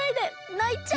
ないちゃう。